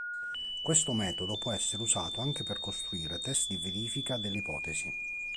Questo metodo può essere usato anche per costruire test di verifica delle ipotesi.